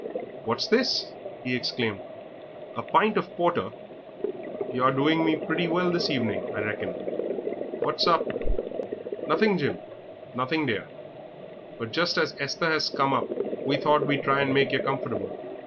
"What's this?" he exclaimed; "a pint of porter! Yer are doing me pretty well this evening, I reckon. What's up?" "Nothing, Jim; nothing, dear, but just as Esther has come up we thought we'd try to make yer comfortable.